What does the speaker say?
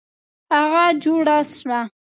هغه جوړه سوه.